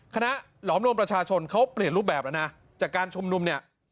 หลอมรวมประชาชนเขาเปลี่ยนรูปแบบแล้วนะจากการชุมนุมเนี่ย